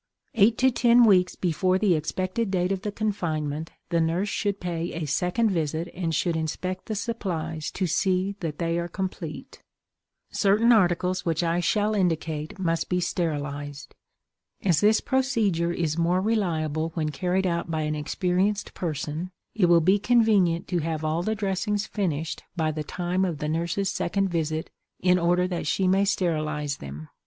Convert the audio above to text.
Eight to ten weeks before the expected date of the confinement the nurse should pay a second visit and should inspect the supplies to see that they are complete. Certain articles which I shall indicate must be sterilized. As this procedure is more reliable when carried out by an experienced person it will be convenient to have all the dressings finished by the time of the nurse's second visit, in order that she may sterilize them.